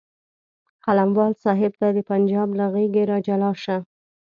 قلموال صاحب ته د پنجاب له غېږې راجلا شه.